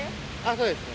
そうですね。